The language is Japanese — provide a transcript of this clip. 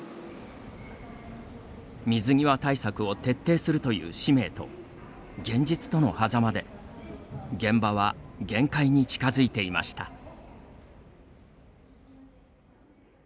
水際対策を徹底するという使命と現実とのはざまで現場は限界に近づいていました。